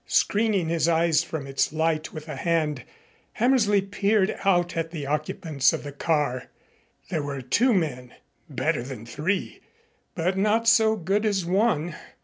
Screening his eyes from its light with a hand, Hammersley peered out at the occupants of the car. There were two men better than three, but not so good as one.